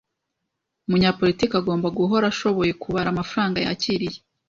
Umunyapolitiki agomba guhora ashoboye kubara amafaranga yakiriye.